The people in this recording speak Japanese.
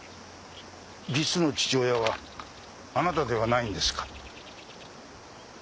実の父親はあなたではないんですか？